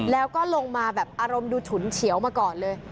แล้วก็ลงมาแบบอารมณ์ดูฉุนเฉียวมาก่อนเลย